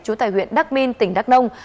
chú tại huyện đắc minh tỉnh đắc nông